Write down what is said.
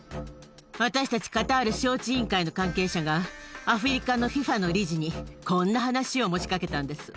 私たちカタール招致委員会の関係者が、アフリカのＦＩＦＡの理事に、こんな話を持ちかけたんです。